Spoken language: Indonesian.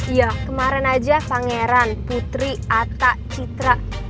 iya kemarin aja pangeran putri atta citra